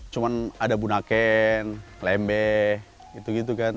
cuma ada bunaken lembeh gitu gitu kan